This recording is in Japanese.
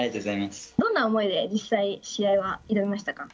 どんな思いで、実際、試合は挑みましたか。